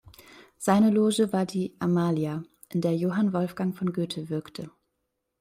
Seine Loge war die "Amalia", in der Johann Wolfgang von Goethe wirkte.